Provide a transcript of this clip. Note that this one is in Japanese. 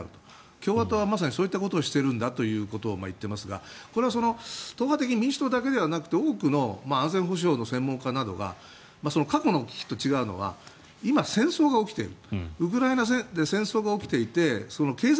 共和党はまさにそういったことをしているんだと言っているんですがこれは党派的に民主党だけではなくて多くの安全保障の専門家などが過去の危機と違うのは今、戦争が起きている。